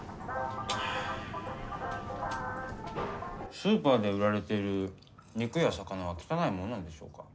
スーパーで売られている肉や魚は汚いものなんでしょうか？